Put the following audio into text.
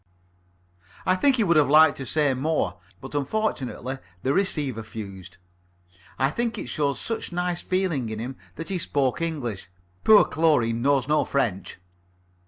I think he would have liked to say more, but unfortunately the receiver fused. I think it showed such nice feeling in him that he spoke English. Poor Chlorine knows no French.